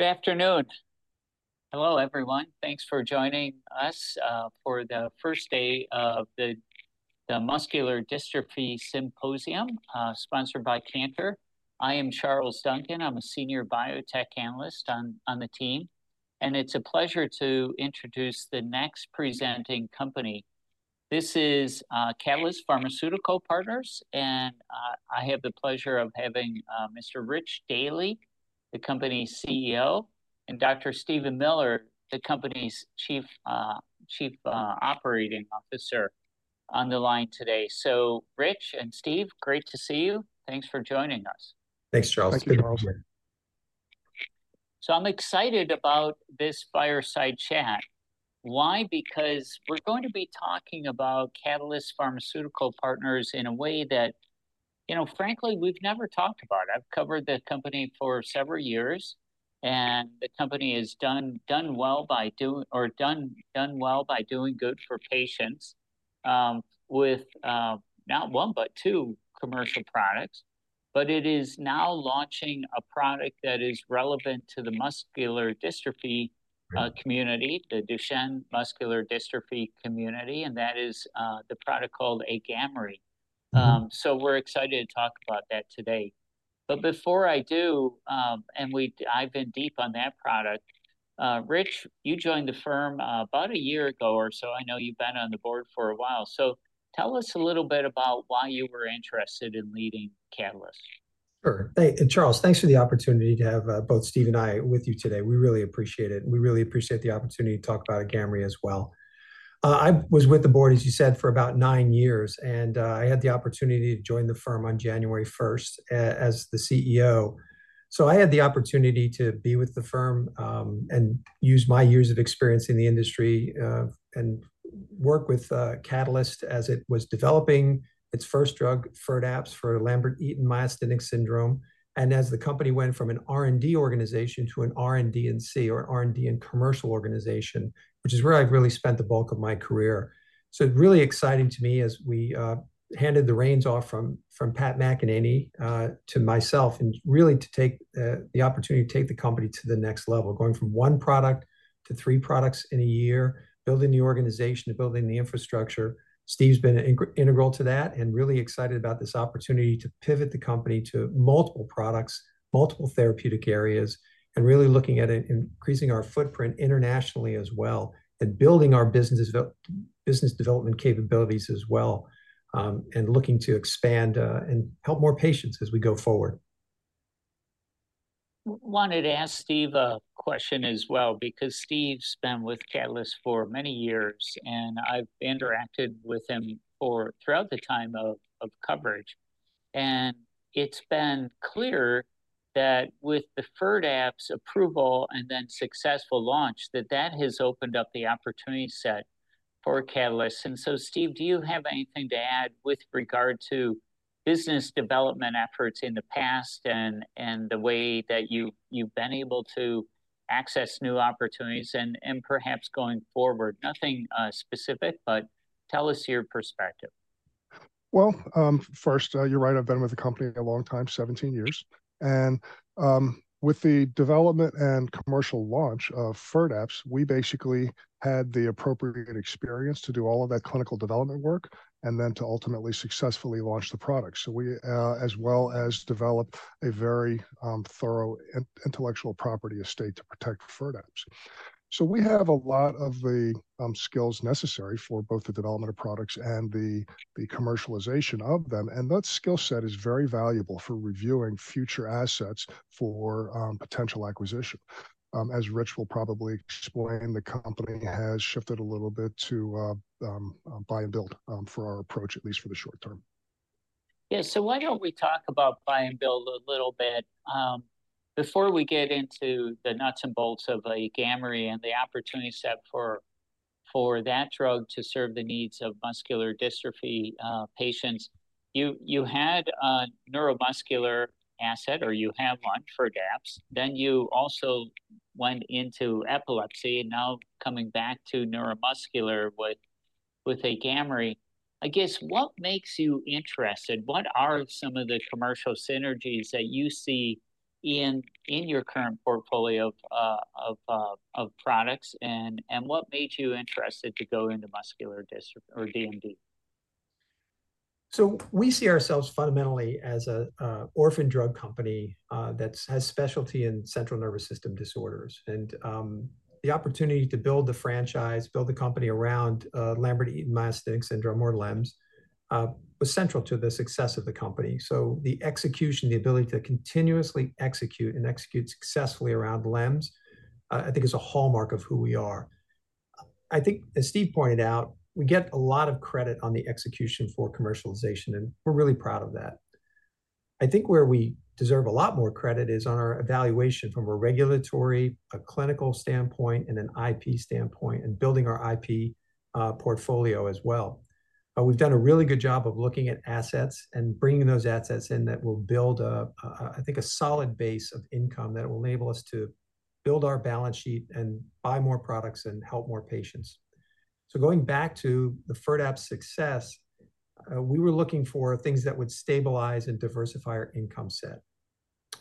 Good afternoon. Hello everyone, thanks for joining us for the first day of the Muscular Dystrophy Symposium, sponsored by Cantor. I am Charles Duncan, I'm a Senior Biotech Analyst on the team, and it's a pleasure to introduce the next presenting company. This is Catalyst Pharmaceuticals, and I have the pleasure of having Mr. Rich Daly, the company's CEO, and Dr. Steven Miller, the company's Chief Operating Officer, on the line today. So Rich and Steve, great to see you, thanks for joining us. Thanks Charles. Thank you all. So I'm excited about this fireside chat. Why? Because we're going to be talking about Catalyst Pharmaceuticals in a way that, frankly, we've never talked about. I've covered the company for several years, and the company has done well by doing good for patients with not one but two commercial products. But it is now launching a product that is relevant to the muscular dystrophy community, the Duchenne muscular dystrophy community, and that is the product called AGAMREE. So we're excited to talk about that today. But before I do, and I've been deep on that product, Rich, you joined the firm about a year ago or so. I know you've been on the board for a while. So tell us a little bit about why you were interested in leading Catalyst. Sure. And Charles, thanks for the opportunity to have both Steve and I with you today. We really appreciate it. We really appreciate the opportunity to talk about AGAMREE as well. I was with the board, as you said, for about nine years, and I had the opportunity to join the firm on January 1st as the CEO. So I had the opportunity to be with the firm and use my years of experience in the industry and work with Catalyst as it was developing its first drug, FIRDAPSE, for Lambert-Eaton myasthenic syndrome. And as the company went from an R&D organization to an R&D&C, or R&D and commercial organization, which is where I've really spent the bulk of my career. So it's really exciting to me as we handed the reins off from Pat McEnany to myself and really to take the opportunity to take the company to the next level, going from one product to three products in a year, building the organization, building the infrastructure. Steve's been integral to that and really excited about this opportunity to pivot the company to multiple products, multiple therapeutic areas, and really looking at increasing our footprint internationally as well and building our business development capabilities as well, and looking to expand and help more patients as we go forward. Wanted to ask Steve a question as well because Steve's been with Catalyst for many years, and I've interacted with him throughout the time of coverage. And it's been clear that with the FIRDAPSE approval and then successful launch, that that has opened up the opportunity set for Catalyst. And so Steve, do you have anything to add with regard to business development efforts in the past and the way that you've been able to access new opportunities and perhaps going forward? Nothing specific, but tell us your perspective. Well, first, you're right. I've been with the company a long time, 17 years. And with the development and commercial launch of FIRDAPSE, we basically had the appropriate experience to do all of that clinical development work and then to ultimately successfully launch the product, as well as develop a very thorough intellectual property estate to protect FIRDAPSE. So we have a lot of the skills necessary for both the development of products and the commercialization of them. And that skill set is very valuable for reviewing future assets for potential acquisition. As Rich will probably explain, the company has shifted a little bit to buy and build for our approach, at least for the short term. Yeah, so why don't we talk about buy and build a little bit? Before we get into the nuts and bolts of AGAMREE and the opportunity set for that drug to serve the needs of muscular dystrophy patients, you had a neuromuscular asset, or you have one, FIRDAPSE. Then you also went into epilepsy. And now coming back to neuromuscular with AGAMREE, I guess, what makes you interested? What are some of the commercial synergies that you see in your current portfolio of products? And what made you interested to go into muscular or DMD? So we see ourselves fundamentally as an orphan drug company that has specialty in central nervous system disorders. And the opportunity to build the franchise, build the company around Lambert-Eaton myasthenic syndrome, or LEMS, was central to the success of the company. So the execution, the ability to continuously execute and execute successfully around LEMS, I think, is a hallmark of who we are. I think, as Steve pointed out, we get a lot of credit on the execution for commercialization, and we're really proud of that. I think where we deserve a lot more credit is on our evaluation from a regulatory, a clinical standpoint, and an IP standpoint, and building our IP portfolio as well. We've done a really good job of looking at assets and bringing those assets in that will build, I think, a solid base of income that will enable us to build our balance sheet and buy more products and help more patients. So going back to the FIRDAPSE success, we were looking for things that would stabilize and diversify our income set.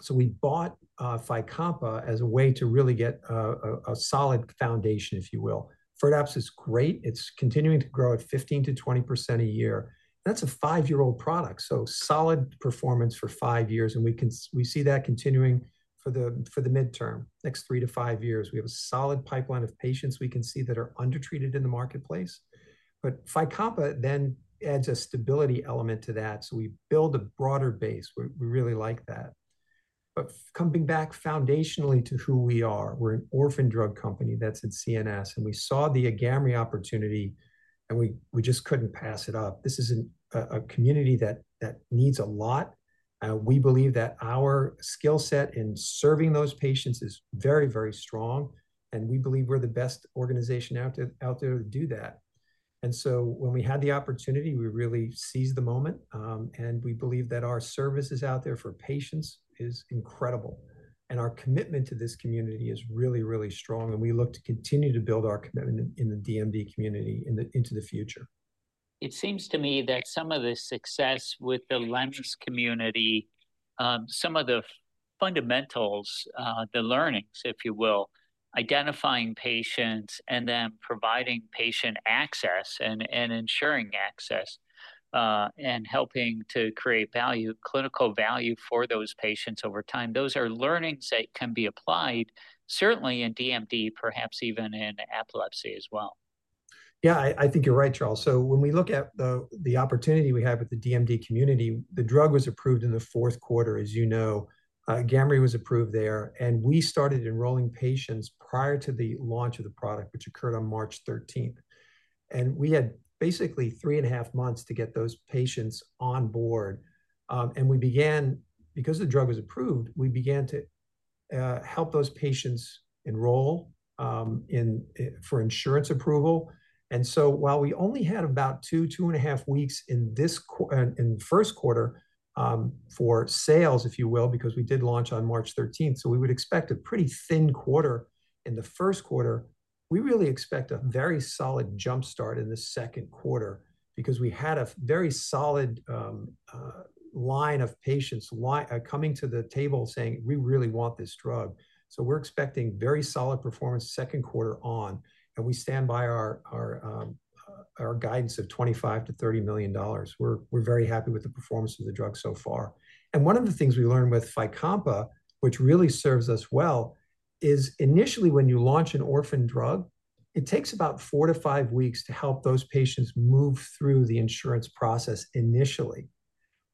So we bought FYCOMPA as a way to really get a solid foundation, if you will. FIRDAPSE is great. It's continuing to grow at 15%-20% a year. That's a five-year-old product, so solid performance for five years. And we see that continuing for the midterm, next three to five years. We have a solid pipeline of patients we can see that are undertreated in the marketplace. But FYCOMPA then adds a stability element to that. So we build a broader base. We really like that. But coming back foundationally to who we are, we're an orphan drug company that's in CNS. And we saw the AGAMREE opportunity, and we just couldn't pass it up. This is a community that needs a lot. We believe that our skill set in serving those patients is very, very strong. And we believe we're the best organization out there to do that. And so when we had the opportunity, we really seized the moment. And we believe that our service is out there for patients is incredible. And our commitment to this community is really, really strong. And we look to continue to build our commitment in the DMD community into the future. It seems to me that some of the success with the LEMS community, some of the fundamentals, the learnings, if you will, identifying patients and then providing patient access and ensuring access and helping to create clinical value for those patients over time, those are learnings that can be applied, certainly in DMD, perhaps even in epilepsy as well. Yeah, I think you're right, Charles. So when we look at the opportunity we have with the DMD community, the drug was approved in the fourth quarter, as you know. AGAMREE was approved there. And we started enrolling patients prior to the launch of the product, which occurred on March 13th. And we had basically 3.5 months to get those patients on board. And because the drug was approved, we began to help those patients enroll for insurance approval. While we only had about two, 2.5 weeks in the first quarter for sales, if you will, because we did launch on March 13th, so we would expect a pretty thin quarter in the first quarter, we really expect a very solid jump start in the second quarter because we had a very solid line of patients coming to the table saying, "We really want this drug." So we're expecting very solid performance second quarter on. And we stand by our guidance of $25-$30 million. We're very happy with the performance of the drug so far. And one of the things we learned with FYCOMPA, which really serves us well, is initially when you launch an orphan drug, it takes about 4-5 weeks to help those patients move through the insurance process initially.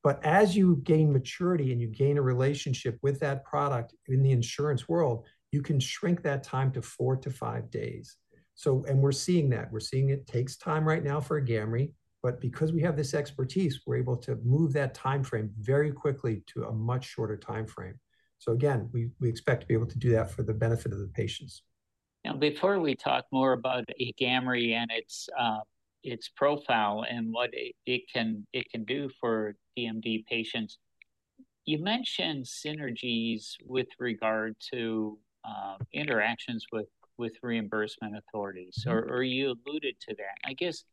But as you gain maturity and you gain a relationship with that product in the insurance world, you can shrink that time to 4-5 days. And we're seeing that. We're seeing it takes time right now for AGAMREE. But because we have this expertise, we're able to move that time frame very quickly to a much shorter time frame. So again, we expect to be able to do that for the benefit of the patients. Now, before we talk more about AGAMREE and its profile and what it can do for DMD patients, you mentioned synergies with regard to interactions with reimbursement authorities. Or you alluded to that. I guess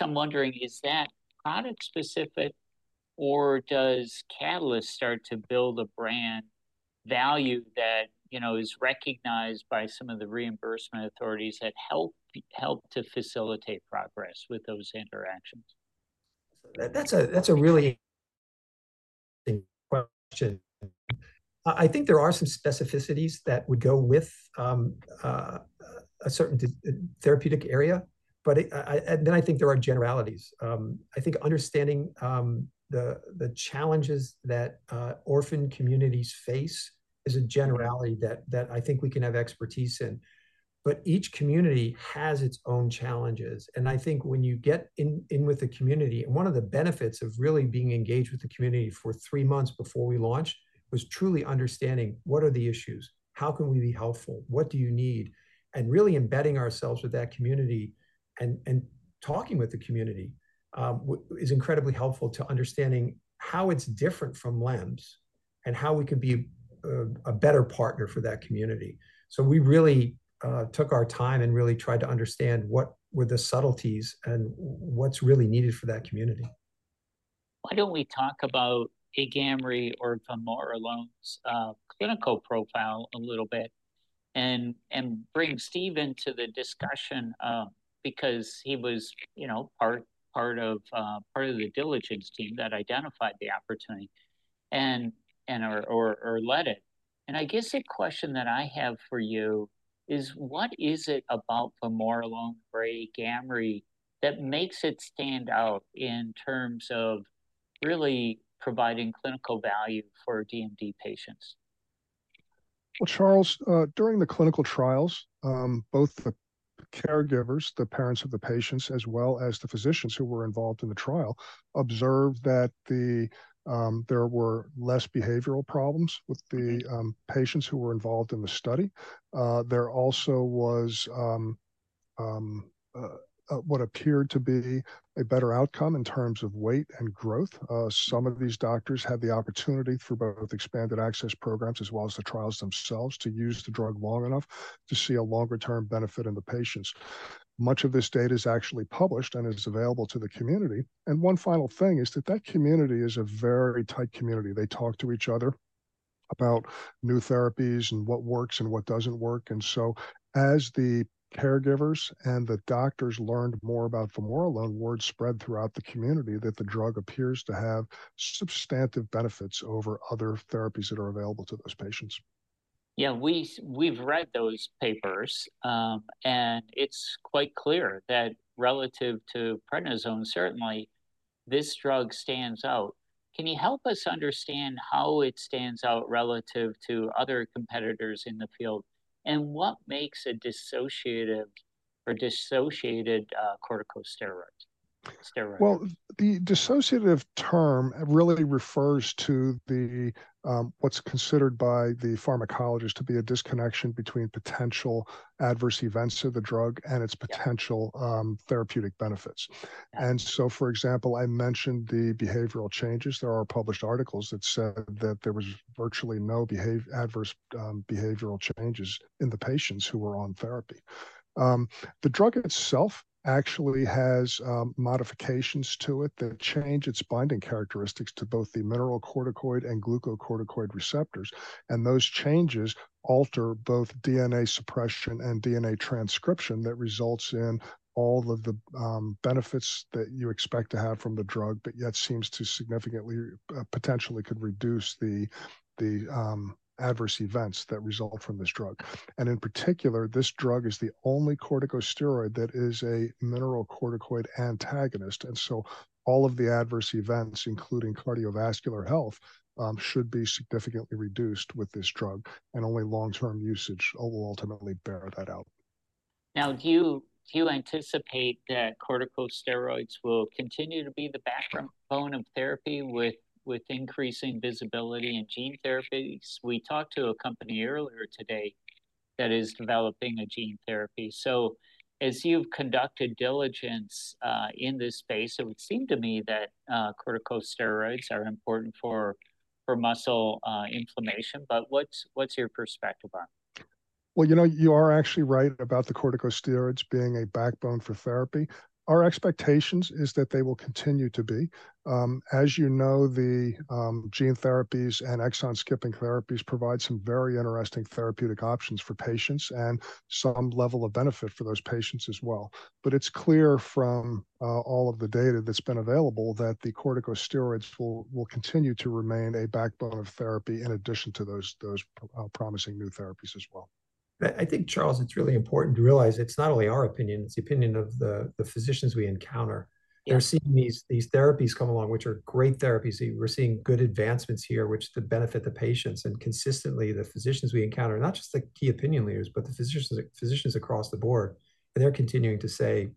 I'm wondering, is that product-specific, or does Catalyst start to build a brand value that is recognized by some of the reimbursement authorities that help to facilitate progress with those interactions? That's a really interesting question. I think there are some specificities that would go with a certain therapeutic area. Then I think there are generalities. I think understanding the challenges that orphan communities face is a generality that I think we can have expertise in. But each community has its own challenges. I think when you get in with the community and one of the benefits of really being engaged with the community for three months before we launch was truly understanding what are the issues, how can we be helpful, what do you need, and really embedding ourselves with that community and talking with the community is incredibly helpful to understanding how it's different from LEMS and how we can be a better partner for that community. So we really took our time and really tried to understand what were the subtleties and what's really needed for that community. Why don't we talk about AGAMREE or vamorolone's clinical profile a little bit and bring Steve into the discussion because he was part of the diligence team that identified the opportunity and led it. And I guess a question that I have for you is, what is it about vamorolone or AGAMREE that makes it stand out in terms of really providing clinical value for DMD patients? Well, Charles, during the clinical trials, both the caregivers, the parents of the patients, as well as the physicians who were involved in the trial, observed that there were less behavioral problems with the patients who were involved in the study. There also was what appeared to be a better outcome in terms of weight and growth. Some of these doctors had the opportunity through both expanded access programs as well as the trials themselves to use the drug long enough to see a longer-term benefit in the patients. Much of this data is actually published and is available to the community. One final thing is that that community is a very tight community. They talk to each other about new therapies and what works and what doesn't work. As the caregivers and the doctors learned more about vamorolone, word spread throughout the community that the drug appears to have substantive benefits over other therapies that are available to those patients. Yeah, we've read those papers. It's quite clear that relative to prednisone, certainly, this drug stands out. Can you help us understand how it stands out relative to other competitors in the field and what makes a dissociative or dissociated corticosteroid? Well, the dissociative term really refers to what's considered by the pharmacologist to be a disconnection between potential adverse events to the drug and its potential therapeutic benefits. And so, for example, I mentioned the behavioral changes. There are published articles that said that there was virtually no adverse behavioral changes in the patients who were on therapy. The drug itself actually has modifications to it that change its binding characteristics to both the mineralocorticoid and glucocorticoid receptors. And those changes alter both DNA suppression and DNA transcription that results in all of the benefits that you expect to have from the drug, but yet seems to significantly potentially could reduce the adverse events that result from this drug. And in particular, this drug is the only corticosteroid that is a mineralocorticoid antagonist. All of the adverse events, including cardiovascular health, should be significantly reduced with this drug. Only long-term usage will ultimately bear that out. Now, do you anticipate that corticosteroids will continue to be the backbone of therapy with increasing visibility in gene therapies? We talked to a company earlier today that is developing a gene therapy. So as you've conducted diligence in this space, it would seem to me that corticosteroids are important for muscle inflammation. But what's your perspective on? Well, you are actually right about the corticosteroids being a backbone for therapy. Our expectations is that they will continue to be. As you know, the gene therapies and exon-skipping therapies provide some very interesting therapeutic options for patients and some level of benefit for those patients as well. But it's clear from all of the data that's been available that the corticosteroids will continue to remain a backbone of therapy in addition to those promising new therapies as well. I think, Charles, it's really important to realize it's not only our opinion. It's the opinion of the physicians we encounter. They're seeing these therapies come along, which are great therapies. We're seeing good advancements here, which to benefit the patients. And consistently, the physicians we encounter, not just the key opinion leaders, but the physicians across the board, they're continuing to say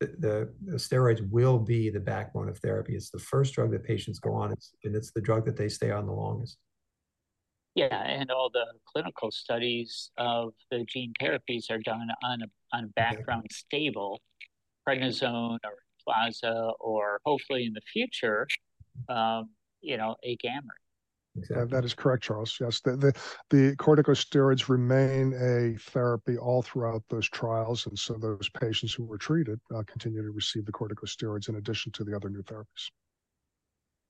the steroids will be the backbone of therapy. It's the first drug that patients go on. And it's the drug that they stay on the longest. Yeah. And all the clinical studies of the gene therapies are done on a background stable prednisone or deflazacort or, hopefully, in the future, AGAMREE. That is correct, Charles. Yes. The corticosteroids remain a therapy all throughout those trials. And so those patients who were treated continue to receive the corticosteroids in addition to the other new therapies.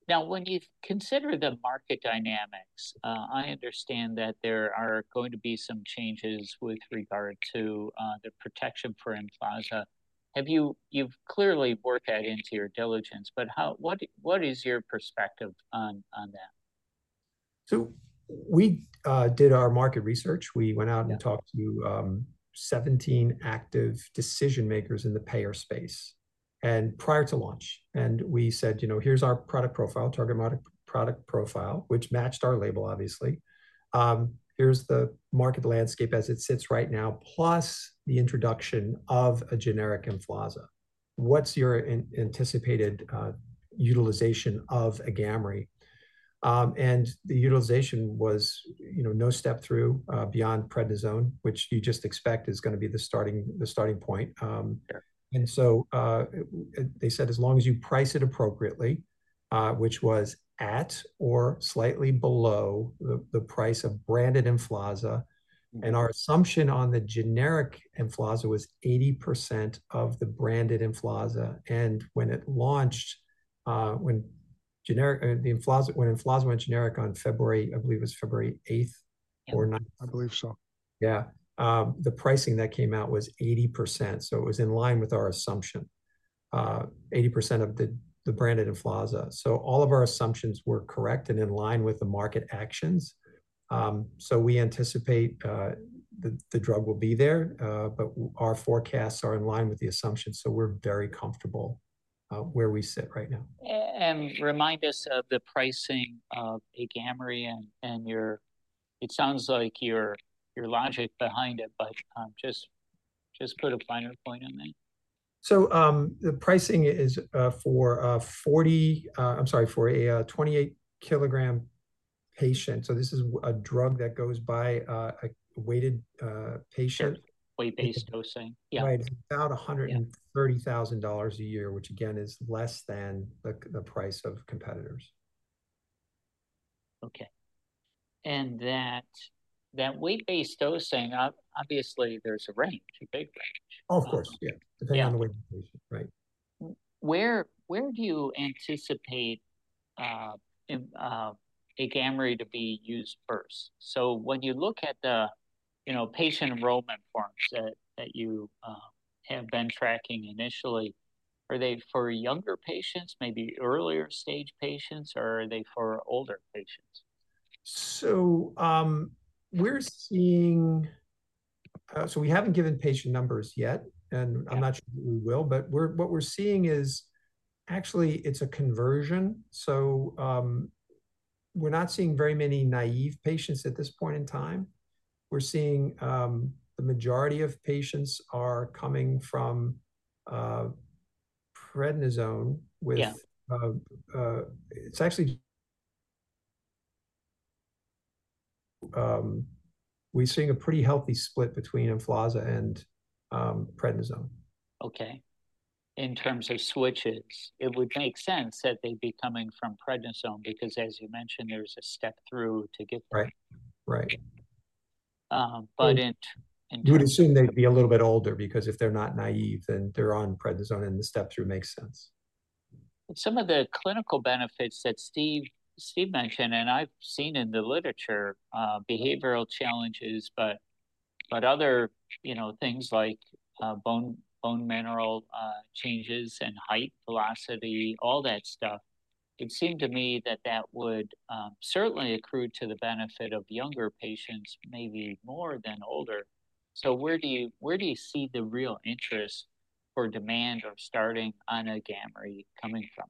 Now, when you consider the market dynamics, I understand that there are going to be some changes with regard to the protection for Emflaza. You've clearly worked that into your diligence. But what is your perspective on that? So we did our market research. We went out and talked to 17 active decision makers in the payer space prior to launch. And we said, here's our product profile, target product profile, which matched our label, obviously. Here's the market landscape as it sits right now, plus the introduction of a generic Emflaza. What's your anticipated utilization of AGAMREE? And the utilization was no step through beyond prednisone, which you just expect is going to be the starting point. And so they said, as long as you price it appropriately, which was at or slightly below the price of branded Emflaza. And our assumption on the generic Emflaza was 80% of the branded Emflaza. And when it launched, when the Emflaza went generic on February, I believe it was February 8th or 9th. I believe so. Yeah. The pricing that came out was 80%. So it was in line with our assumption, 80% of the branded and Emflaza. So all of our assumptions were correct and in line with the market actions. So we anticipate the drug will be there. But our forecasts are in line with the assumptions. So we're very comfortable where we sit right now. Remind us of the pricing of AGAMREE and it sounds like your logic behind it. But just put a finer point on that. So the pricing is for 40. I'm sorry, for a 28-kg patient. So this is a drug that goes by a weighted patient. Weight-based dosing. Yeah. Right. It's about $130,000 a year, which, again, is less than the price of competitors. Okay. And that weight-based dosing, obviously, there's a range, a big range. Oh, of course. Yeah. Depending on the weight of the patient. Right. Where do you anticipate AGAMREE to be used first? So when you look at the patient enrollment forms that you have been tracking initially, are they for younger patients, maybe earlier-stage patients, or are they for older patients? So we haven't given patient numbers yet. I'm not sure that we will. But what we're seeing is, actually, it's a conversion. So we're not seeing very many naive patients at this point in time. The majority of patients are coming from prednisone, and we're seeing a pretty healthy split between Emflaza and prednisone. Okay. In terms of switches, it would make sense that they'd be coming from prednisone because, as you mentioned, there's a step through to get there. Right. Right. But in terms of. We'd assume they'd be a little bit older because if they're not naive, then they're on prednisone. The step through makes sense. Some of the clinical benefits that Steve mentioned and I've seen in the literature, behavioral challenges, but other things like bone mineral changes and height, velocity, all that stuff, it seemed to me that that would certainly accrue to the benefit of younger patients, maybe more than older. So where do you see the real interest or demand of starting on AGAMREE coming from?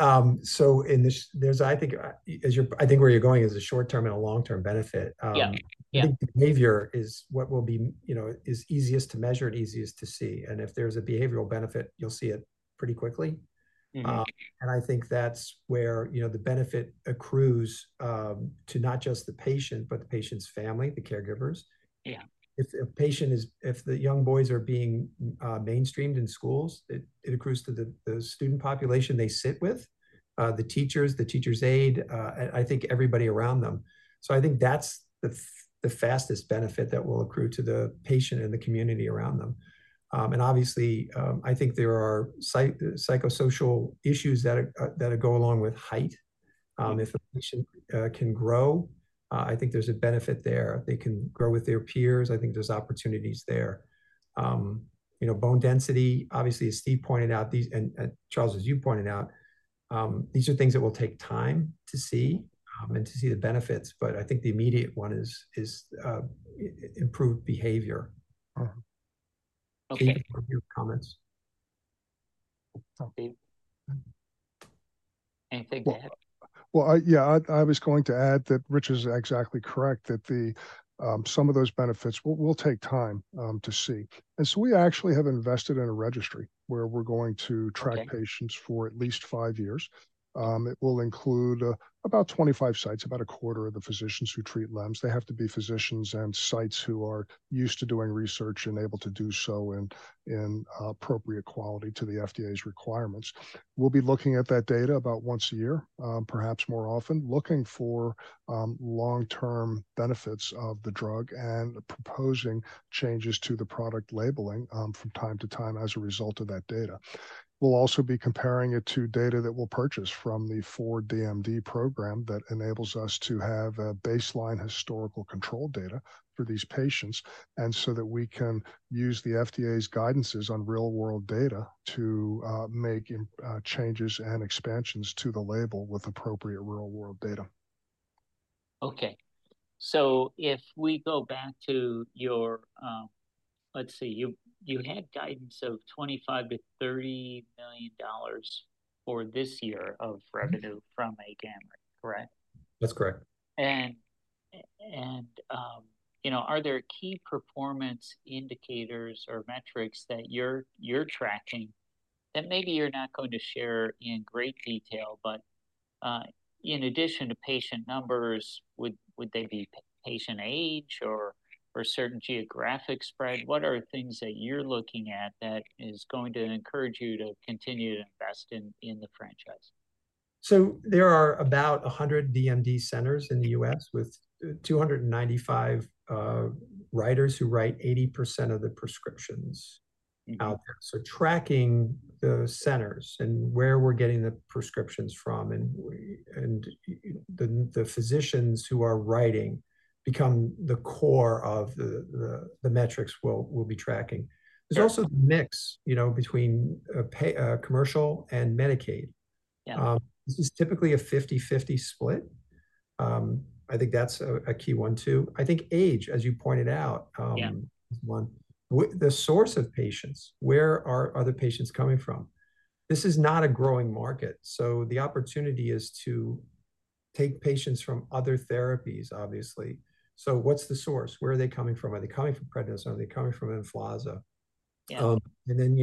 So I think where you're going is a short-term and a long-term benefit. I think behavior is what will be easiest to measure and easiest to see. And if there's a behavioral benefit, you'll see it pretty quickly. And I think that's where the benefit accrues to not just the patient, but the patient's family, the caregivers. If the young boys are being mainstreamed in schools, it accrues to the student population they sit with, the teachers, the teacher's aide, I think everybody around them. So I think that's the fastest benefit that will accrue to the patient and the community around them. And obviously, I think there are psychosocial issues that go along with height. If a patient can grow, I think there's a benefit there. They can grow with their peers. I think there's opportunities there. Bone density, obviously, as Steve pointed out, and Charles as you pointed out, these are things that will take time to see and to see the benefits. But I think the immediate one is improved behavior. Okay. Steve? Comments? Okay. Anything to add? Well, yeah. I was going to add that Richard's exactly correct, that some of those benefits, we'll take time to see. And so we actually have invested in a registry where we're going to track patients for at least five years. It will include about 25 sites, about a quarter of the physicians who treat LEMS. They have to be physicians and sites who are used to doing research and able to do so in appropriate quality to the FDA's requirements. We'll be looking at that data about once a year, perhaps more often, looking for long-term benefits of the drug and proposing changes to the product labeling from time to time as a result of that data. We'll also be comparing it to data that we'll purchase from the FOR-DMD program that enables us to have baseline historical control data for these patients and so that we can use the FDA's guidances on real-world data to make changes and expansions to the label with appropriate real-world data. Okay. So if we go back to your let's see. You had guidance of $25-$30 million for this year of revenue from AGAMREE, correct? That's correct. Are there key performance indicators or metrics that you're tracking that maybe you're not going to share in great detail? In addition to patient numbers, would they be patient age or certain geographic spread? What are things that you're looking at that is going to encourage you to continue to invest in the franchise? There are about 100 DMD centers in the U.S. with 295 writers who write 80% of the prescriptions out there. Tracking the centers and where we're getting the prescriptions from and the physicians who are writing become the core of the metrics we'll be tracking. There's also the mix between commercial and Medicaid. This is typically a 50/50 split. I think that's a key one too. I think age, as you pointed out, is one. The source of patients, where are the patients coming from? This is not a growing market. The opportunity is to take patients from other therapies, obviously. What's the source? Where are they coming from? Are they coming from prednisone? Are they coming from Emflaza? And then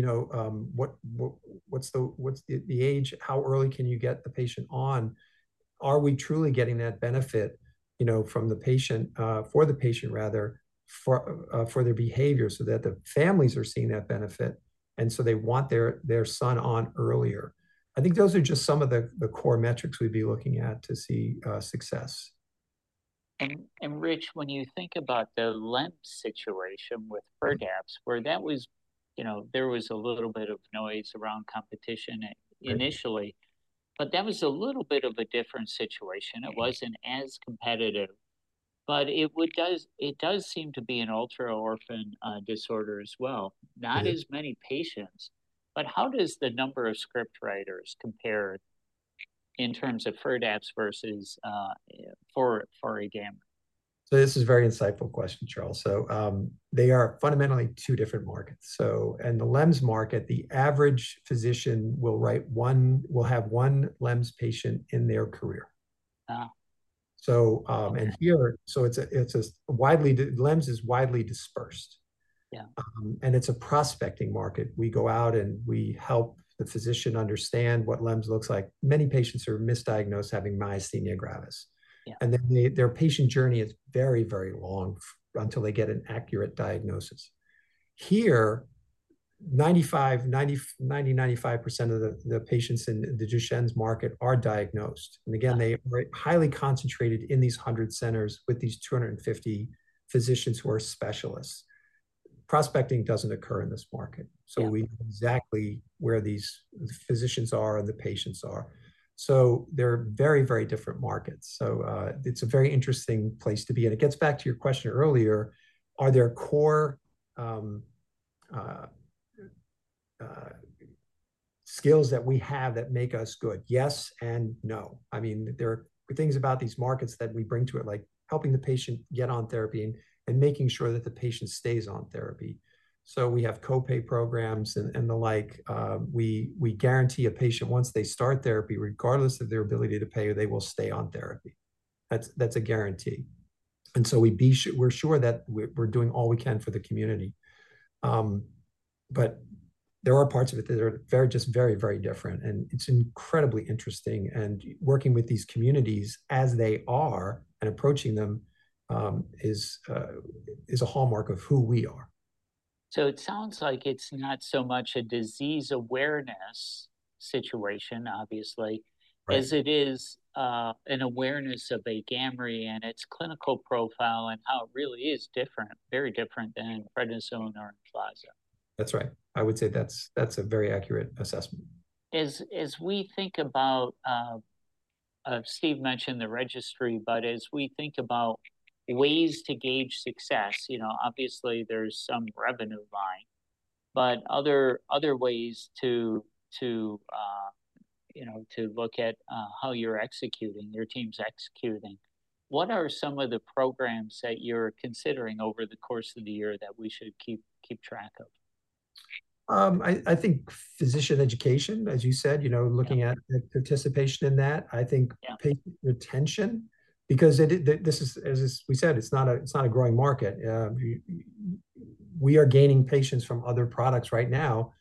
what's the age? How early can you get the patient on? Are we truly getting that benefit from the patient for the patient, rather, for their behavior so that the families are seeing that benefit and so they want their son on earlier? I think those are just some of the core metrics we'd be looking at to see success. And Rich, when you think about the LEMS situation with FIRDAPSE, where there was a little bit of noise around competition initially, but that was a little bit of a different situation. It wasn't as competitive. But it does seem to be an ultra-orphan disorder as well, not as many patients. But how does the number of script writers compare in terms of FIRDAPSE versus for AGAMREE? So this is a very insightful question, Charles. So they are fundamentally two different markets. And the LEMS market, the average physician will have one LEMS patient in their career. And so it's just LEMS is widely dispersed. And it's a prospecting market. We go out, and we help the physician understand what LEMS looks like. Many patients are misdiagnosed having myasthenia gravis. And then their patient journey is very, very long until they get an accurate diagnosis. Here, 90%-95% of the patients in the Duchenne's market are diagnosed. And again, they are highly concentrated in these 100 centers with these 250 physicians who are specialists. Prospecting doesn't occur in this market. So we know exactly where these physicians are and the patients are. So they're very, very different markets. So it's a very interesting place to be. And it gets back to your question earlier. Are there core skills that we have that make us good? Yes and no. I mean, there are things about these markets that we bring to it, like helping the patient get on therapy and making sure that the patient stays on therapy. We have copay programs and the like. We guarantee a patient, once they start therapy, regardless of their ability to pay, they will stay on therapy. That's a guarantee. We're sure that we're doing all we can for the community. There are parts of it that are just very, very different. It's incredibly interesting. Working with these communities as they are and approaching them is a hallmark of who we are. It sounds like it's not so much a disease awareness situation, obviously, as it is an awareness of AGAMREE and its clinical profile and how it really is different, very different than prednisone or Emflaza. That's right. I would say that's a very accurate assessment. As we think about, Steve mentioned the registry, but as we think about ways to gauge success, obviously, there's some revenue line. But other ways to look at how you're executing, your team's executing. What are some of the programs that you're considering over the course of the year that we should keep track of? I think physician education, as you said, looking at participation in that. I think patient retention because this is, as we said, it's not a growing market. We are gaining patients from other products right now.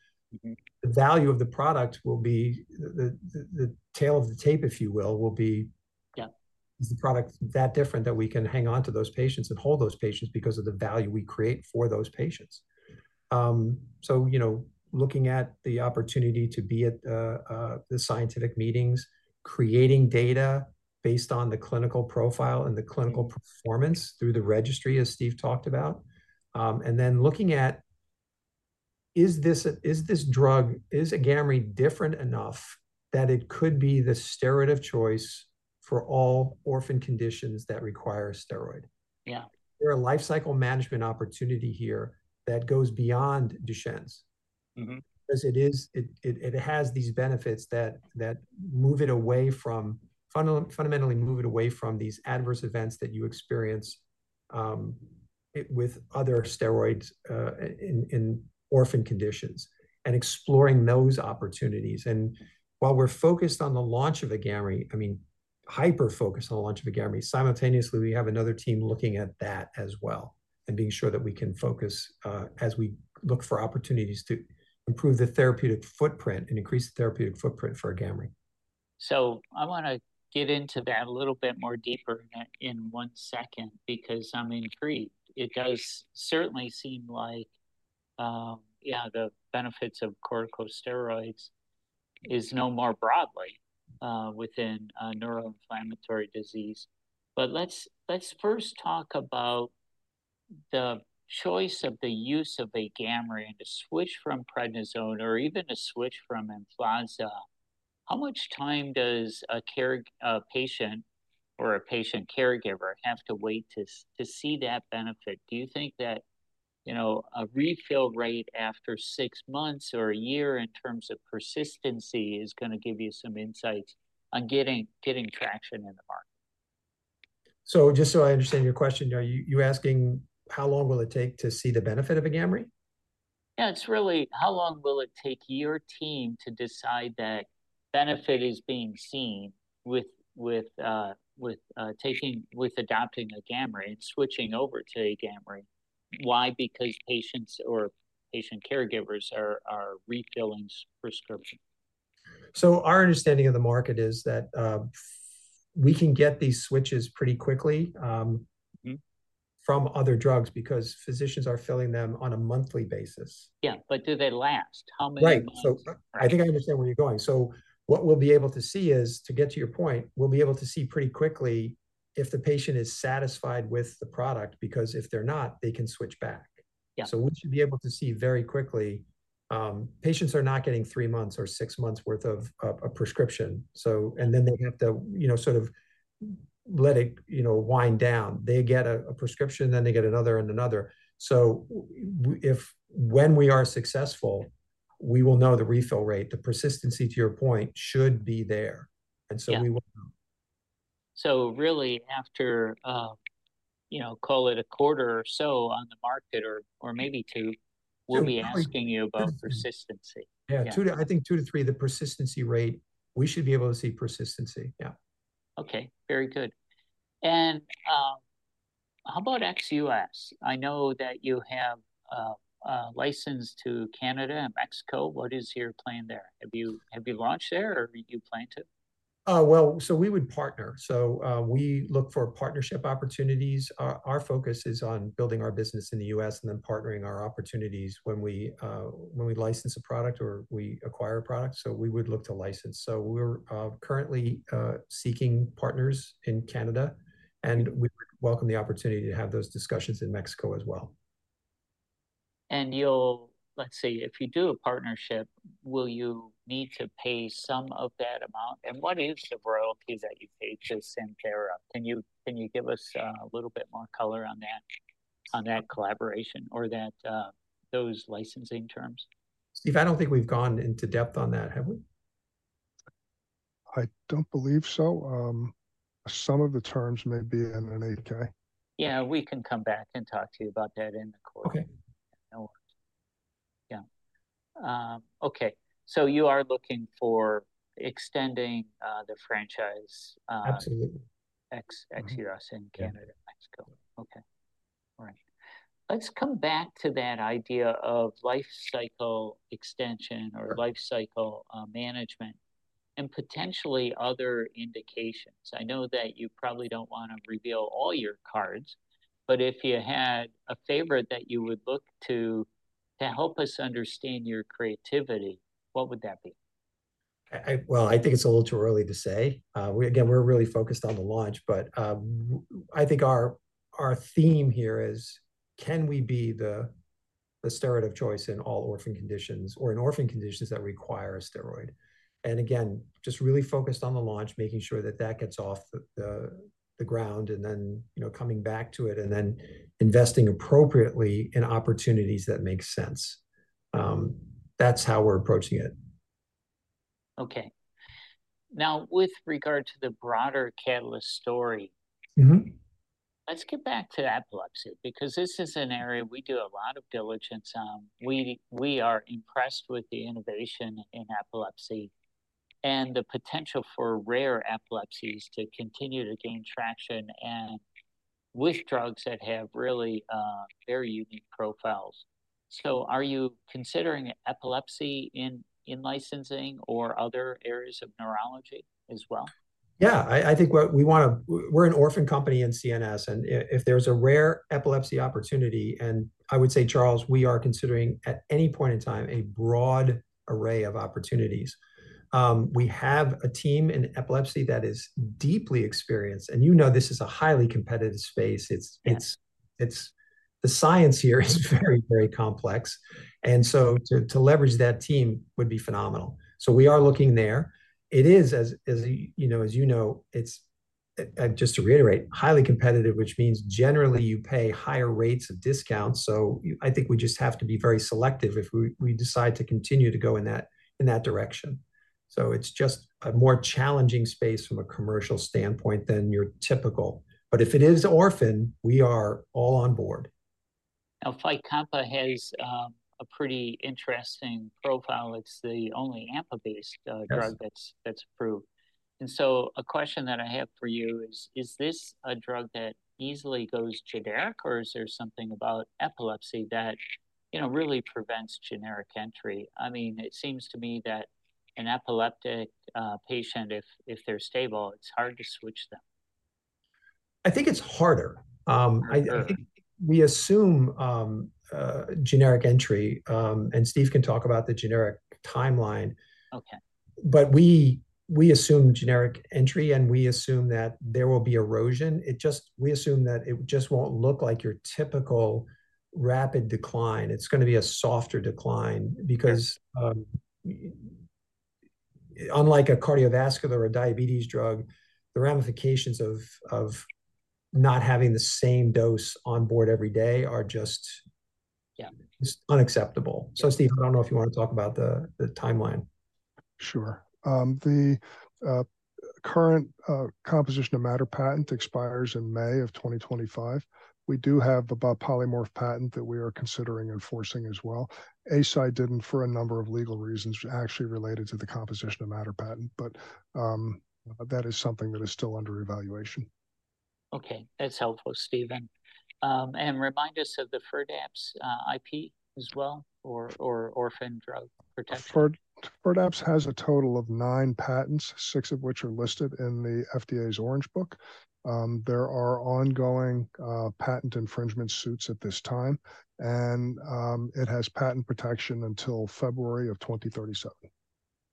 The value of the product will be the tail of the tape, if you will, will be is the product that different that we can hang on to those patients and hold those patients because of the value we create for those patients? So looking at the opportunity to be at the scientific meetings, creating data based on the clinical profile and the clinical performance through the registry, as Steve talked about. And then looking at, is this drug, is AGAMREE different enough that it could be the steroid of choice for all orphan conditions that require a steroid? Is there a lifecycle management opportunity here that goes beyond Duchenne's? Because it has these benefits that fundamentally move it away from these adverse events that you experience with other steroids in orphan conditions and exploring those opportunities. And while we're focused on the launch of AGAMREE, I mean, hyper-focused on the launch of AGAMREE, simultaneously, we have another team looking at that as well and being sure that we can focus as we look for opportunities to improve the therapeutic footprint and increase the therapeutic footprint for AGAMREE. So I want to get into that a little bit more deeper in one second because I'm intrigued. It does certainly seem like, yeah, the benefits of corticosteroids is no more broadly within neuroinflammatory disease. But let's first talk about the choice of the use of AGAMREE and to switch from prednisone or even to switch from deflazacort. How much time does a patient or a patient caregiver have to wait to see that benefit? Do you think that a refill rate after six months or a year in terms of persistency is going to give you some insights on getting traction in the market? So just so I understand your question, are you asking how long will it take to see the benefit of AGAMREE? Yeah. It's really how long will it take your team to decide that benefit is being seen with adopting AGAMREE and switching over to AGAMREE? Why? Because patients or patient caregivers are refilling prescriptions. Our understanding of the market is that we can get these switches pretty quickly from other drugs because physicians are filling them on a monthly basis. Yeah. But do they last? How many months? Right. So I think I understand where you're going. So what we'll be able to see is, to get to your point, we'll be able to see pretty quickly if the patient is satisfied with the product because if they're not, they can switch back. So we should be able to see very quickly. Patients are not getting three months or six months worth of a prescription. And then they have to sort of let it wind down. They get a prescription, then they get another and another. So when we are successful, we will know the refill rate, the persistency, to your point, should be there. And so we will know. Really, after, call it, a quarter or so on the market or maybe two, we'll be asking you about persistency. Yeah. I think 2-3, the persistency rate, we should be able to see persistency. Yeah. Okay. Very good. And how about ex-U.S.? I know that you have a license to Canada and Mexico. What is your plan there? Have you launched there, or do you plan to? Well, so we would partner. So we look for partnership opportunities. Our focus is on building our business in the U.S. and then partnering our opportunities when we license a product or we acquire a product. So we would look to license. So we're currently seeking partners in Canada. And we would welcome the opportunity to have those discussions in Mexico as well. Let's see. If you do a partnership, will you need to pay some of that amount? What is the royalty that you pay to Santhera? Can you give us a little bit more color on that collaboration or those licensing terms? Steve, I don't think we've gone into depth on that, have we? I don't believe so. Some of the terms may be in an 8-K. Yeah. We can come back and talk to you about that in the court. Yeah. Okay. So you are looking for extending the franchise. Absolutely. ex-U.S. in Canada and Mexico. Okay. All right. Let's come back to that idea of lifecycle extension or lifecycle management and potentially other indications. I know that you probably don't want to reveal all your cards. But if you had a favorite that you would look to help us understand your creativity, what would that be? Well, I think it's a little too early to say. Again, we're really focused on the launch. But I think our theme here is, can we be the steroid of choice in all orphan conditions or in orphan conditions that require a steroid? And again, just really focused on the launch, making sure that that gets off the ground and then coming back to it and then investing appropriately in opportunities that make sense. That's how we're approaching it. Okay. Now, with regard to the broader Catalyst story, let's get back to epilepsy because this is an area we do a lot of diligence on. We are impressed with the innovation in epilepsy and the potential for rare epilepsies to continue to gain traction and with drugs that have really very unique profiles. So are you considering epilepsy in licensing or other areas of neurology as well? Yeah. I think we're an orphan company in CNS. And if there's a rare epilepsy opportunity, and I would say, Charles, we are considering at any point in time a broad array of opportunities. We have a team in epilepsy that is deeply experienced. And you know this is a highly competitive space. The science here is very, very complex. And so to leverage that team would be phenomenal. So we are looking there. It is, as you know, it's just to reiterate, highly competitive, which means generally, you pay higher rates of discounts. So I think we just have to be very selective if we decide to continue to go in that direction. So it's just a more challenging space from a commercial standpoint than your typical. But if it is orphan, we are all on board. FYCOMPA has a pretty interesting profile. It's the only AMPA-based drug that's approved. So a question that I have for you is, is this a drug that easily goes generic, or is there something about epilepsy that really prevents generic entry? I mean, it seems to me that an epileptic patient, if they're stable, it's hard to switch them. I think it's harder. I think we assume generic entry. Steve can talk about the generic timeline. But we assume generic entry, and we assume that there will be erosion. We assume that it just won't look like your typical rapid decline. It's going to be a softer decline because, unlike a cardiovascular or diabetes drug, the ramifications of not having the same dose on board every day are just unacceptable. So Steve, I don't know if you want to talk about the timeline. Sure. The current composition of matter patent expires in May of 2025. We do have a polymorph patent that we are considering enforcing as well. Eisai didn't for a number of legal reasons actually related to the composition of matter patent. But that is something that is still under evaluation. Okay. That's helpful, Steven. And remind us of the FIRDAPSE IP as well or orphan drug protection. FIRDAPSE has a total of nine patents, six of which are listed in the FDA's Orange Book. There are ongoing patent infringement suits at this time. It has patent protection until February of 2037.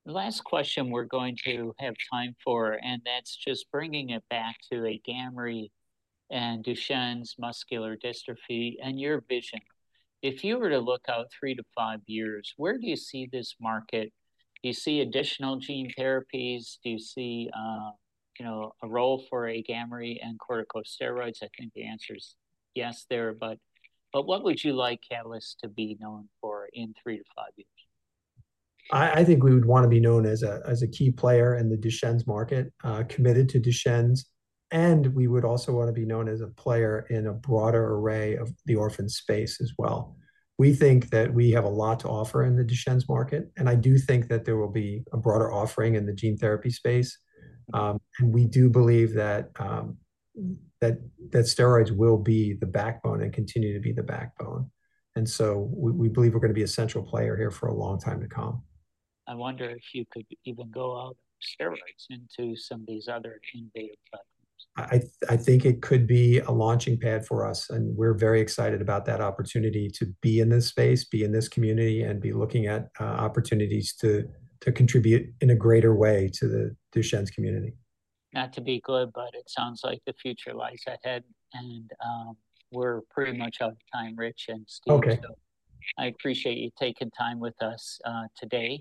Last question we're going to have time for, and that's just bringing it back to AGAMREE and Duchenne muscular dystrophy and your vision. If you were to look out three to five years, where do you see this market? Do you see additional gene therapies? Do you see a role for AGAMREE and corticosteroids? I think the answer is yes there. But what would you like Catalyst to be known for in three to five years? I think we would want to be known as a key player in the Duchenne's market, committed to Duchenne's. We would also want to be known as a player in a broader array of the orphan space as well. We think that we have a lot to offer in the Duchenne's market. I do think that there will be a broader offering in the gene therapy space. We do believe that steroids will be the backbone and continue to be the backbone. We believe we're going to be a central player here for a long time to come. I wonder if you could even go out of steroids into some of these other innovative platforms. I think it could be a launching pad for us. We're very excited about that opportunity to be in this space, be in this community, and be looking at opportunities to contribute in a greater way to the Duchenne's community. Not to be good, but it sounds like the future lies ahead. We're pretty much out of time, Rich and Steve. I appreciate you taking time with us today.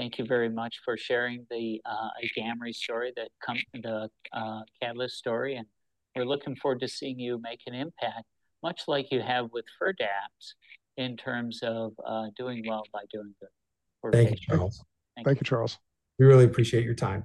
Thank you very much for sharing the AGAMREE story, the Catalyst story. We're looking forward to seeing you make an impact, much like you have with FIRDAPSE, in terms of doing well by doing good. Thank you, Charles. Thank you, Charles. We really appreciate your time.